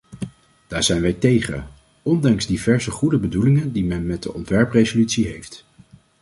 Daar zijn wij tegen, ondanks diverse goede bedoelingen die men met de ontwerpresolutie heeft.